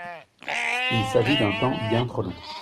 Il s’agit d’un temps bien trop long.